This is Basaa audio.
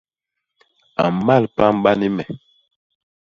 A mmal pamba ni me.